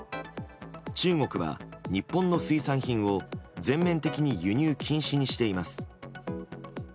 中国は日本の水産品を全面的に輸入禁止にしています。